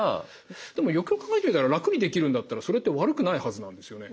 でもよくよく考えてみたら楽にできるんだったらそれって悪くないはずなんですよね。